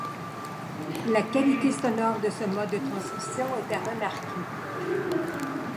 La qualité sonore de ce mode de transmission est à remarquer.